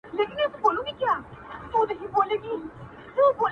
چي دي غوښتل هغه تللي دي له وخته!!